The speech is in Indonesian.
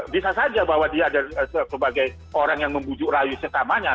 bisa saja bahwa dia sebagai orang yang membujuk rayu setamanya